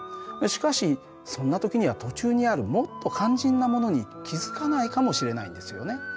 しかしそんな時には途中にあるもっと肝心なものに気付かないかもしれないんですよね。